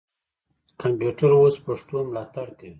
کمپیوټر اوس پښتو ملاتړ کوي.